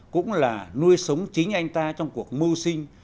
cũng là nuôi sống chính anh ta trong cuộc mưu sinh